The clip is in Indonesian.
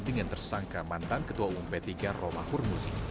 dengan tersangka mantan ketua umum p tiga romar hurmusi